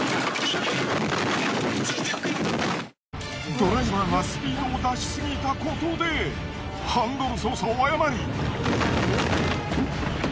ドライバーがスピードを出しすぎたことでハンドル操作を誤り。